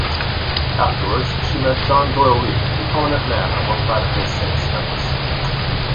Afterwards, she met John Doyle Lee, a prominent man among Latter-day Saints members.